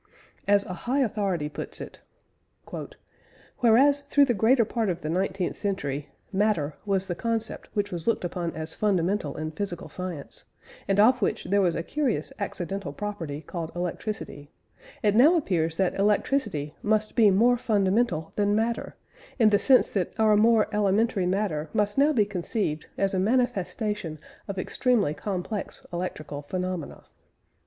As a high authority puts it: "Whereas through the greater part of the nineteenth century, 'matter' was the concept which was looked upon as fundamental in physical science, and of which there was a curious accidental property called electricity, it now appears that electricity must be more fundamental than matter, in the sense that our more elementary matter must now be conceived as a manifestation of extremely complex electrical phenomena."